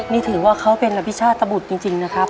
นี่ถือว่าเขาเป็นอภิชาตบุตรจริงนะครับ